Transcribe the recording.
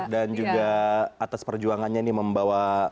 dan juga atas perjuangannya ini membawa